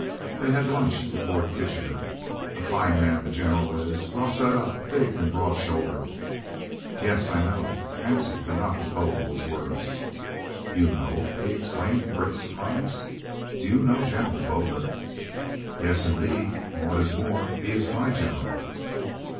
They had lunch with Lord Kitchener. A fine man the General is, well set up, big and broad shouldered." "Yes, I know." Hansie could not withhold those words. "You know!" he exclaimed in great surprise. "Do you know General Botha?" "Yes, indeed. And what is more, he is my General."